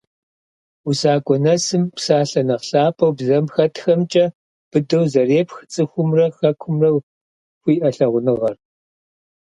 УсакӀуэ нэсым, псалъэ нэхъ лъапӀэу бзэм хэтхэмкӀэ, быдэу зэрепх цӀыхумрэ Хэкумрэ хуиӀэ лъагъуныгъэр.